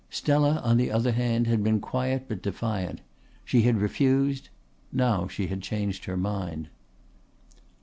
Stella, on the other hand, had been quiet but defiant. She had refused. Now she had changed her mind.